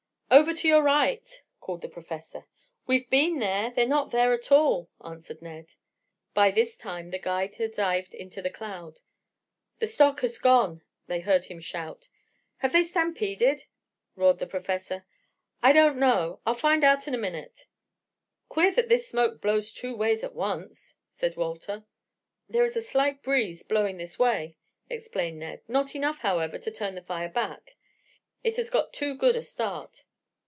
"Over to you right," called the Professor. "We've been there. They're not there at all," answered Ned. By this time the guide had dived into the cloud. "The stock has gone," they heard him shoat. "Have they stampeded?" roared the Professor. "I don't know. I'll find out in a minute." "Queer that this smoke blows two ways at once," said Walter. "There is a slight breeze blowing this way," explained Ned. "Not enough, however, to turn the fire back. It has got too good a start."